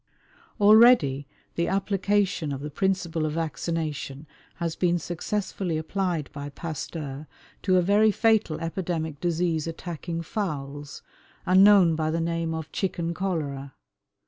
Already the application of the principle of vaccination has been successfully applied by Pasteur to a very fatal epidemic disease attacking fowls, and known by the name of "chicken cholera."